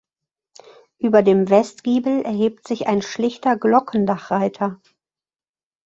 Über dem Westgiebel erhebt sich ein schlichter Glockendachreiter.